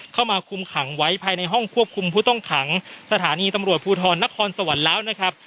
เข้ามาคุมขังไว้ภายในห้องควบคุมผู้ต้องขังสถานีตำรวจภูทรนครสวรรค์แล้วนะครับ